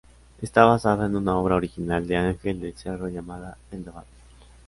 Está basada en una obra original de Ángel del Cerro llamada "Vendaval".